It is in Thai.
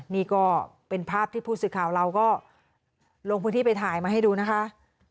นี่ก็เป็นภาพที่ผู้สื่อข่าวเราก็ลงพื้นที่ไปถ่ายมาให้ดูนะคะ